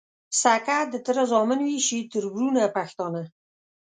سکه د تره زامن وي شي تــربـــرونـه پښتانه